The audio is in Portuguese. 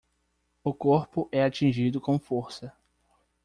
O corpo é atingido com força